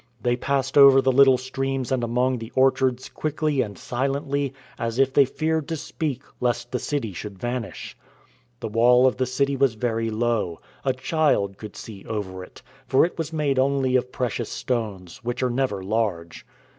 They passed over the little streams and among the orchards quickly and silently, as if they feared to speak lest the city should vanish. The wall of the city was very low, a child could see over it, for it was made only of precious stones, which are never large.